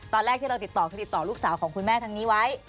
ตอนแรกที่เราติดต่อคือติดต่อลูกสาวของคุณแม่ทางนี้ไว้